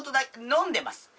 飲んでます。